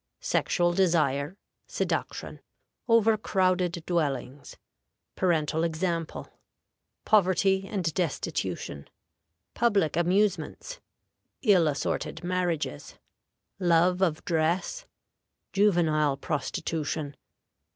Sexual Desire. Seduction. Over crowded Dwellings. Parental Example. Poverty and Destitution. Public Amusements. Ill assorted Marriages. Love of Dress. Juvenile Prostitution.